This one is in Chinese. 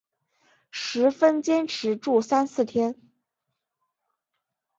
十分坚持住三四天